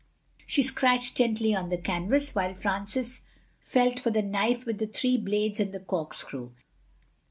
She scratched gently on the canvas, while Francis felt for the knife with the three blades and the corkscrew.